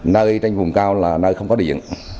nơi trên vùng cao là nơi không có điện